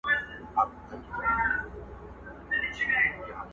o يا د چاودي پښې ژاړه، يا دبدي چگې ژاړه!